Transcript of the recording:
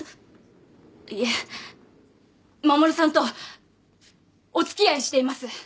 いえ護さんとお付き合いしています。